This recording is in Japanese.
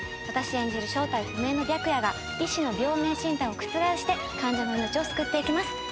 私演じる正体不明の白夜が医師の病名診断を覆して患者の命を救っていきます。